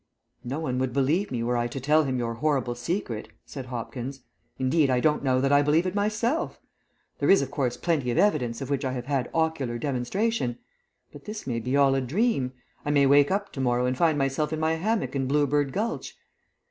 "No one would believe me were I to tell him your horrible secret," said Hopkins. "Indeed, I don't know that I believe it myself. There is, of course plenty of evidence of which I have had ocular demonstration, but this may be all a dream. I may wake up to morrow and find myself in my hammock in Blue bird Gulch."